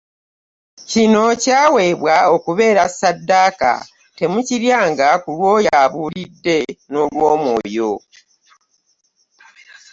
Kino kyaweebwa okubeera ssaddaaka, temukiryanga ku lw'oya abuulidde, n'olw'omwoyo.